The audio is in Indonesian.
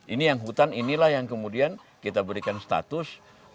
ini yang hutan inilah yang kemudian kita berikan status